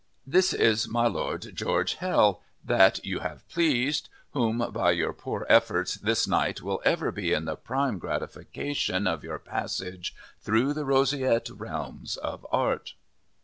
"This is my Lord George Hell, that you have pleased whom by your poor efforts this night will ever be the prime gratification of your passage through the roseate realms of art."